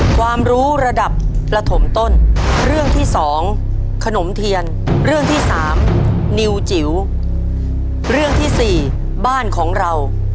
ขนมเทียนค่ะ